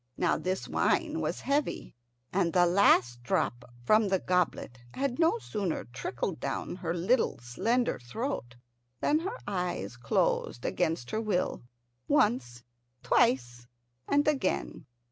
Now this wine was heavy, and the last drop from the goblet had no sooner trickled down her little slender throat than her eyes closed against her will, once, twice, and again.